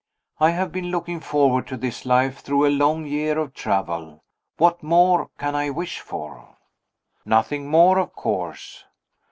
I have been looking forward to this life through a long year of travel. What more can I wish for? Nothing more, of course.